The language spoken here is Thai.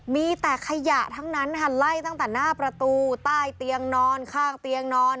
มีแต่ขยะทั้งนั้นค่ะไล่ตั้งแต่หน้าประตูใต้เตียงนอนข้างเตียงนอน